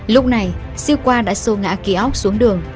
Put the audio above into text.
lúc này siêu khoa đã xô ngã kiok xuống đường